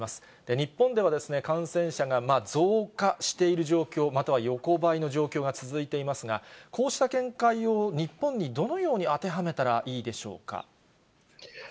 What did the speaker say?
日本では感染者が増加している状況、または横ばいの状況が続いていますが、こうした見解を日本にどのように当てはめたらいいでしょうか。